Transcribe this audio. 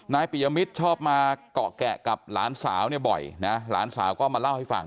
ปียมิตรชอบมาเกาะแกะกับหลานสาวเนี่ยบ่อยนะหลานสาวก็มาเล่าให้ฟัง